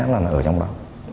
là ở trong đó